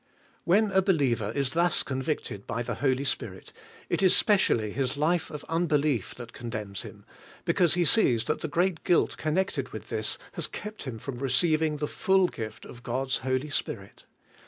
When a believer is thus convicted by the Holy Spirit, it is specially his life of unbelief that condemns him, because he sees that the great guilt connected with this has kept him from receiving the full gift of God's Holy Spirit.